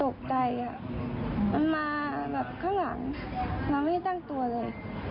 ตกใจมันมาแบบข้างหลังเราไม่ได้ตั้งตัวเลย